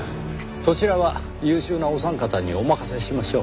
そちらは優秀なお三方にお任せしましょう。